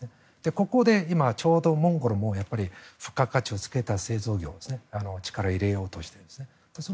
ここで今ちょうどモンゴルも付加価値をつけた製造業に力を入れようとしているんです。